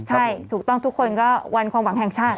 ใช่ถูกต้องทุกคนก็วันความหวังแห่งชาติ